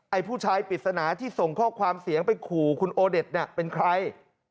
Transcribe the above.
ผู้ชายปริศนาที่ส่งข้อความเสียงไปขู่คุณโอเด็ดเนี่ยเป็นใคร